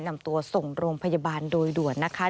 นำตัวส่งโรงพยาบาลโดยด่วนนะคะ